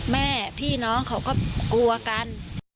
แม่พี่น้องเขาก็กลัวกัน